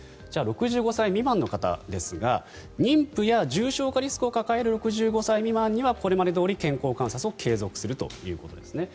じゃあ６５歳未満の方ですが妊婦や、重症化リスクを抱える６５歳未満にはこれまでどおり健康観察を継続するということです。